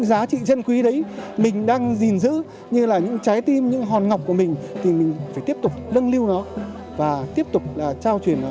giá trị chân quý đấy mình đang gìn giữ như là những trái tim những hòn ngọc của mình thì mình phải tiếp tục lân lưu nó và tiếp tục là trao truyền nó